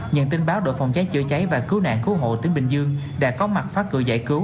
nhận tin báo đội phòng cháy chữa cháy và cứu nạn cứu hộ tỉnh bình dương đã có mặt phá cửa giải cứu